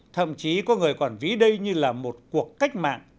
thậm chí có người còn ví đây như là một cuộc cách mạng